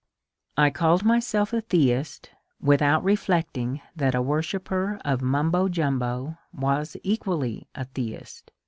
I called myself a theist without reflecting that a worshipper of Mumbo Jumbo was equally a theist.